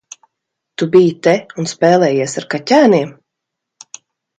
Tu biji te un spēlējies ar kaķēniem?